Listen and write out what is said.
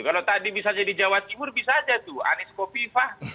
kalau tadi bisa jadi jawa timur bisa aja tuh anies kopifah